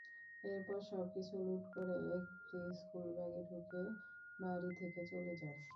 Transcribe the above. এরপর সবকিছু লুট করে একটি স্কুল ব্যাগে ঢুকিয়ে বাড়ি থেকে চলে যায়।